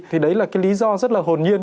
thì đấy là cái lý do rất là hồn nhiên